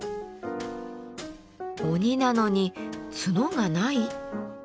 鬼なのに角がない？